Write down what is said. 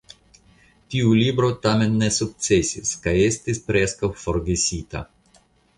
Tiu libro tamen ne sukcesis kaj estis preskaŭ forgesita.